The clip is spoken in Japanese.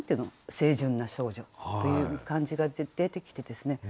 清純な少女という感じが出てきてですね